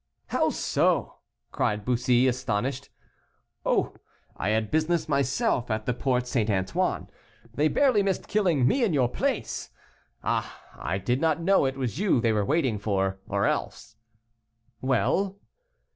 "How so?" cried Bussy, astonished. "Oh! I had business myself at the Porte St. Antoine. They barely missed killing me in your place. Ah! I did not know it was you they were waiting for, or else " "Well?"